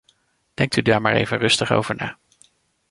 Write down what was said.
Denkt u daar maar even rustig over na.